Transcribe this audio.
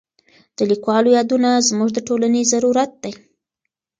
د لیکوالو یادونه زموږ د ټولنې ضرورت دی.